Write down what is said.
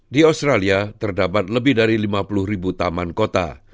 di australia terdapat lebih dari lima puluh ribu taman kota